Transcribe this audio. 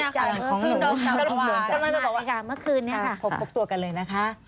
กำลังจะบอกว่าเมื่อไหร่ค่ะเมื่อไหร่ค่ะ